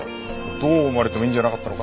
どう思われてもいいんじゃなかったのか？